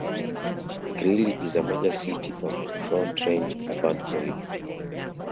Greeley is a major city of the Front Range Urban Corridor.